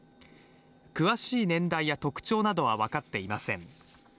詳しい年代や特徴などは分かっていません。